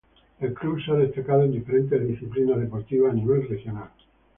El club se ha destacado en diferentes disciplinas deportivas a nivel regional.